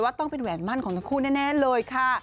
ต้องเป็นแหวนมั่นของทั้งคู่แน่เลยค่ะ